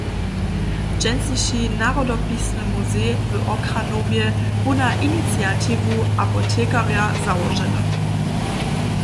Dźensniši Narodopisny muzej w Ochranowje bu na iniciatiwu apotekarja załoženy.